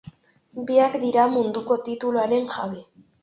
Biak dira munduko tituluaren jabe.